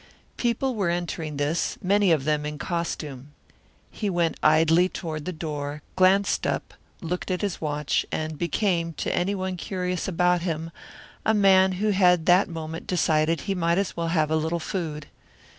People were entering this, many of them in costume. He went idly toward the door, glanced up, looked at his watch, and became, to any one curious about him, a man who had that moment decided he might as well have a little food.